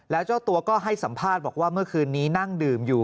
แล้วเจ้าตัวก็ให้สัมภาษณ์บอกว่าเมื่อคืนนี้นั่งดื่มอยู่